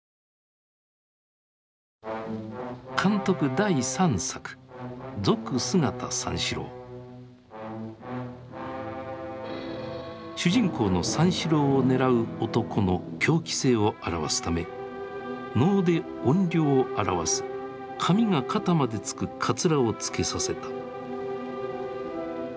第３作続姿三四郎主人公の三四郎を狙う男の狂気性を表すため能で怨霊を表す髪が肩までつくかつらをつけさせた。